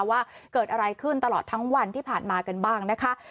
ว่าเกิดอะไรขึ้นตลอดทั้งวันที่ผ่านมากันบ้างนะคะ